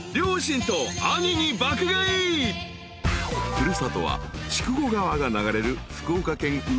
［古里は筑後川が流れる］